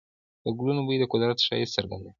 د ګلونو بوی د قدرت ښایست څرګندوي.